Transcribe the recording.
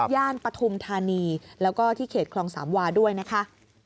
ย่านปฐุมธานีแล้วก็ที่เขตคลองสามวาด้วยนะคะ